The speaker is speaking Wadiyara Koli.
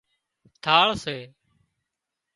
ٿاۯ سي